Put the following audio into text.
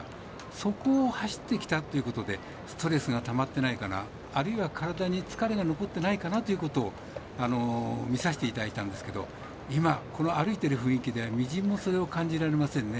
そこを走ってきたということでストレスがたまってないかなあるいは体に疲れが残ってないかなということを見させていただいたんですけど今、この歩いてる雰囲気でみじんもそれを感じられませんね。